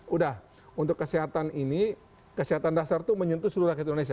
sudah untuk kesehatan ini kesehatan dasar itu menyentuh seluruh rakyat indonesia